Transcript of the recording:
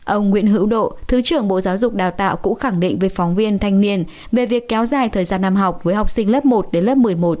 ông nguyễn hữu độ thứ trưởng bộ giáo dục đào tạo cũng khẳng định với phóng viên thanh niên về việc kéo dài thời gian năm học với học sinh lớp một đến lớp một mươi một